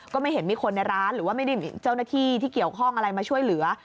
ก็ไม่เห็นมีคนในร้านหรือว่าไม่ได้มีเจ้าหน้าที่ที่เกี่ยวข้องอะไรมาช่วยเหลือ